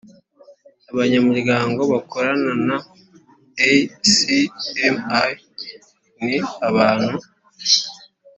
abanyamuryango bakorana na ecmi ni abantu